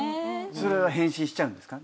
それは返信しちゃうんですか？